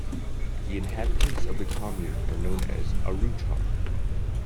The inhabitants of the commune are known as "Arruetar".